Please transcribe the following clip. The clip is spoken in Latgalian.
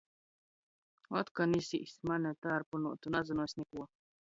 Otkon jis īs mane tārpynuotu! Nazynu es nikuo!